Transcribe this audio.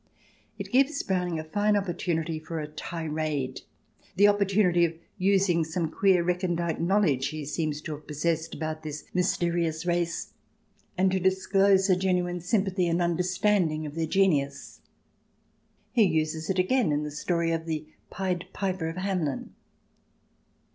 It gives Browning a fine opportunity for a tirade, the opportunity of using some queer recondite knowledge he seems to have possessed about this mysterious race, and to disclose a genuine sympathy 12 178 THE DESIRABLE ALIEN [ch. xiii and understanding of their genius. He uses it again in the story of the Pied Piper of Hamelin.